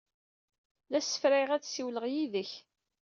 La ssefrayeɣ ad ssiwleɣ yid-k.